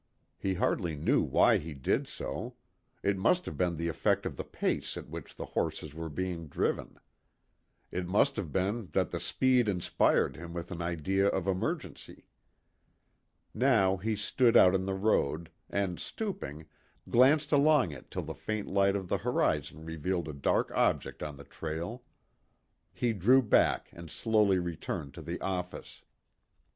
He hardly knew why he did so. It must have been the effect of the pace at which the horses were being driven. It must have been that the speed inspired him with an idea of emergency. Now he stood out in the road, and stooping, glanced along it till the faint light of the horizon revealed a dark object on the trail. He drew back and slowly returned to the office.